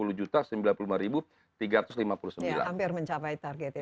hampir mencapai target